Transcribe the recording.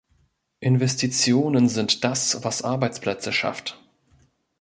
Investitionen sind das, was Arbeitsplätze schafft.